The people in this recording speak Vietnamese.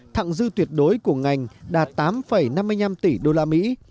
thẳng dư tuyệt đối của ngành đạt tám năm mươi năm tỷ đô la mỹ